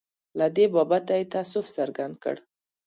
له دې بابته یې تأسف څرګند کړ.